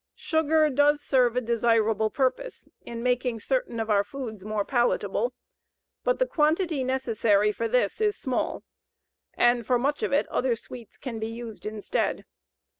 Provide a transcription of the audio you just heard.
Sugar does serve a desirable purpose in making certain of our foods more palatable, but the quantity necessary for this is small, and for much of it other sweets can be used instead.